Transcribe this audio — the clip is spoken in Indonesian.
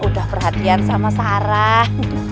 udah perhatian sama sarah